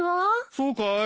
そうかい？